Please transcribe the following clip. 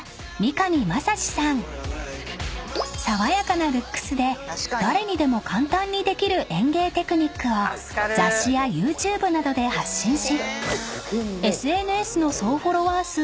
［爽やかなルックスで誰にでも簡単にできる園芸テクニックを雑誌やＹｏｕＴｕｂｅなどで発信し］